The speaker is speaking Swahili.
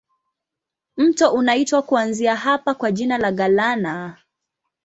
Mto unaitwa kuanzia hapa kwa jina la Galana.